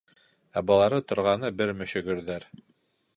Ә былары торғаны бер мөшөгөрҙәр.